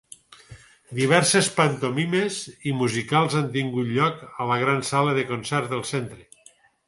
Diverses pantomimes i musicals han tingut lloc a la gran sala de concerts del centre.